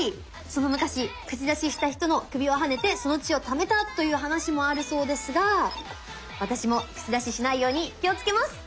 その昔口出しした人の首をはねてその血をためたという話もあるそうですが私も口出ししないように気をつけます！